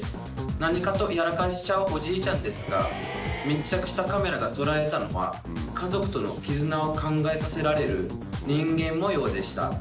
何かとやらかしちゃうおじいちゃんですが、密着したカメラが捉えたのは、家族との絆を考えさせられる人間もようでした。